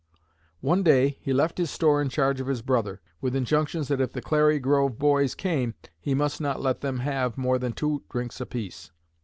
One day he left his store in charge of his brother, with injunctions that if the 'Clary Grove boys' came he must not let them have more than two drinks apiece.